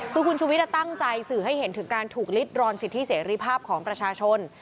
คือคุณชุวิตตั้งใจสื่อให้เห็นถึงการถูกลิดรอนสิทธิเสรีภาพของประชาชน